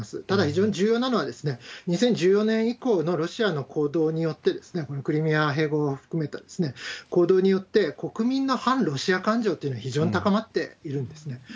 ただ、非常に重要なのは、２０１４年以降のロシアの行動によって、このクリミア併合を含めた行動によって、国民の反ロシア感情っていうのは非常に高まっているんですね。